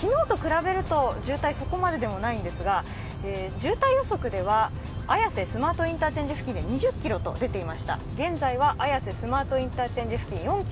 昨日と比べると、渋滞それほどでもないんですが渋滞予測では現在は綾瀬スマートインターチェンジ付近ｋｍの渋滞となっています。